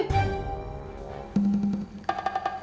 iya apa dua duanya oke